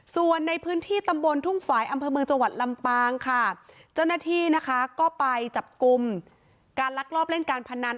ส่วนในพื้นที่ตำบลทุ่งฝ่ายอำเภอเมืองจังหวัดลำปางค่ะเจ้าหน้าที่นะคะก็ไปจับกลุ่มการลักลอบเล่นการพนัน